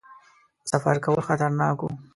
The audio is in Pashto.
سفر کول خطرناک وو.